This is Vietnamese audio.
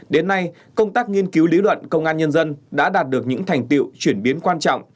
đến nay công tác nghiên cứu lý luận công an nhân dân đã đạt được những thành tiệu chuyển biến quan trọng